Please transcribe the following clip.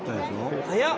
早っ！